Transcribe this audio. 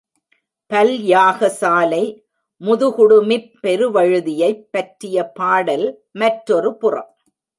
பல் யாகசாலை முதுகுடுமிப் பெருவழுதியைப் பற்றிய பாடல் மற்றொரு புறம்.